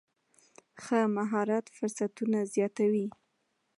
ښه مهارت فرصتونه زیاتوي.